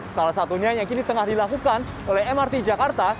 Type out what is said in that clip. salah satunya yang kini tengah dilakukan oleh mrt jakarta